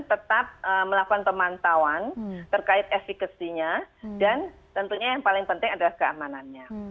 tetap melakukan pemantauan terkait efekasinya dan tentunya yang paling penting adalah keamanannya